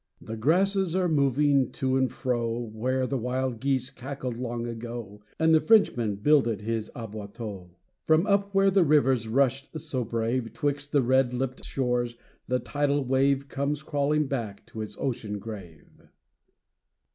The grasses are moving to and fro, Where the wild geese cackled long ago, And the Frenchman bnilded his aboiteaux. From up where the rivers rushed so brave, 'Twixt the red lipped shores, the tidal wave Comes crawling back to its ocean grave.